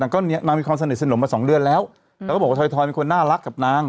ก็เนี่ยนางมีความสนิทสนมมาสองเดือนแล้วแล้วก็บอกว่าถอยเป็นคนน่ารักกับนาง